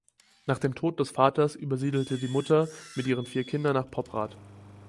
Nach dem Tod des Vaters übersiedelte die Mutter mit ihren vier Kindern nach Poprad.